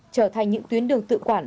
trở thành những tuyến đường tự quản